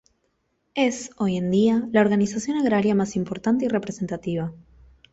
Es, hoy en día, la organización agraria más importante y representativa.